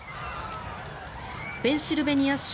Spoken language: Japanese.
ペンシルベニア州